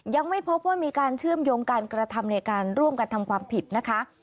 ยังไม่พบว่ามีการเชื่อมโยงการกระทำในการร่วมกันทำความผิดนะคะ